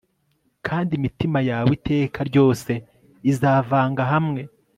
kandi imitima yawe, iteka ryose, izavanga hamwe